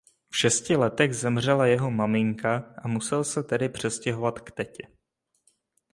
V šesti letech zemřela jeho maminka a musel se tedy přestěhovat k tetě.